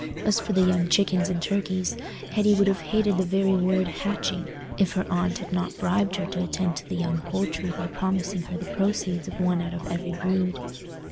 As for the young chickens and turkeys, Hetty would have hated the very word "hatching," if her aunt had not bribed her to attend to the young poultry by promising her the proceeds of one out of every brood.